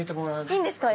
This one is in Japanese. いいんですか？